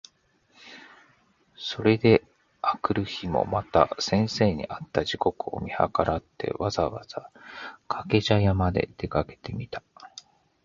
それで翌日（あくるひ）もまた先生に会った時刻を見計らって、わざわざ掛茶屋（かけぢゃや）まで出かけてみた。